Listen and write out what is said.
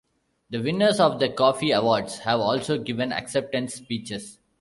The winners of the Koffee Awards have also given acceptance speeches.